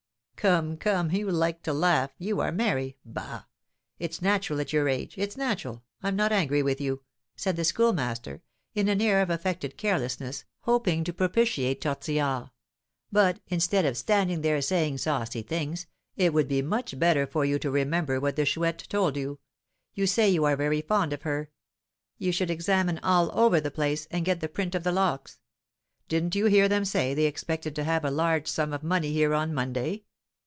"Come, come, you like to laugh you are merry: bah! it's natural at your age it's natural I'm not angry with you," said the Schoolmaster, in an air of affected carelessness, hoping to propitiate Tortillard; "but, instead of standing there, saying saucy things, it would be much better for you to remember what the Chouette told you; you say you are very fond of her. You should examine all over the place, and get the print of the locks. Didn't you hear them say they expected to have a large sum of money here on Monday?